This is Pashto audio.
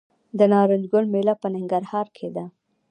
د نارنج ګل میله په ننګرهار کې ده.